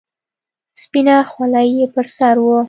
سپينه خولۍ يې پر سر وه.